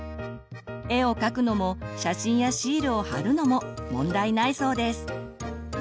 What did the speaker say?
絵をかくのも写真やシールを貼るのも問題ないそうです。